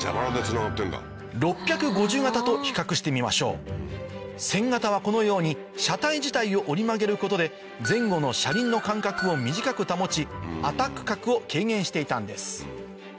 ６５０形と比較してみましょう１０００形はこのように車体自体を折り曲げることで前後の車輪の間隔を短く保ちアタック角を軽減していたんです